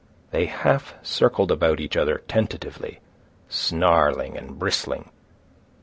They half circled about each other, tentatively, snarling and bristling.